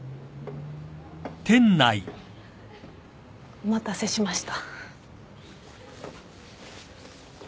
お待たせしました。